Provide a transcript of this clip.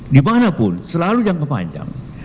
dimanapun selalu jangka panjang